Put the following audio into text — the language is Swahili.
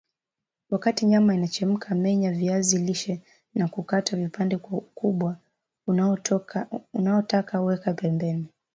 Wakati nyama inachemka menya viazi lishe na kukata vipande kwa ukubwa unaotaka Weka pembeni